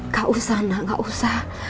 gak usah nak gak usah